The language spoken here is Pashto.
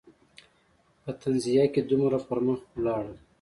په تنزیه کې دومره پر مخ لاړل.